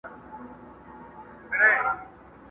o مېړه چي مېړه وي، لور ئې چاړه وي٫